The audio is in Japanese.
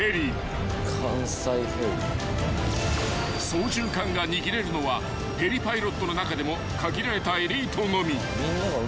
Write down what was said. ［操縦かんが握れるのはヘリパイロットの中でも限られたエリートのみ］